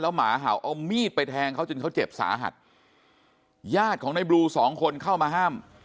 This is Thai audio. หมาเห่าเอามีดไปแทงเขาจนเขาเจ็บสาหัสญาติของในบลูสองคนเข้ามาห้าม